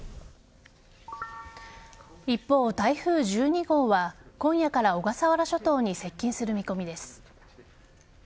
一方、台風１２号は今夜から小笠原諸島に接近する見込みです。